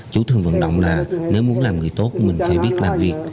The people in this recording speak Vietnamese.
chú thường vận động là nếu muốn làm người tốt mình phải biết làm việc